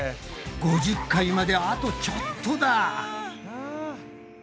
５０回まであとちょっとだ。